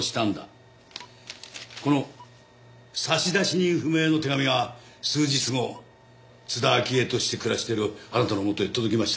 この差出人不明の手紙が数日後津田明江として暮らしてるあなたのもとへ届きましたね。